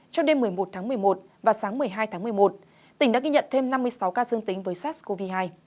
trong đêm một mươi một tháng một mươi một và sáng một mươi hai tháng một mươi một tỉnh đã ghi nhận thêm năm mươi sáu ca dương tính với sars cov hai